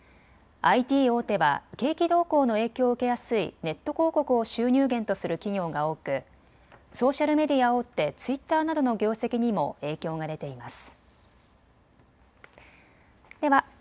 ＩＴ大手は景気動向の影響を受けやすいネット広告を収入源とする企業が多く、ソーシャルメディア大手、ツイッターなどの業績にも影響が出ています。